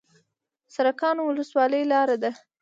سرکانو ولسوالۍ لاره ده؟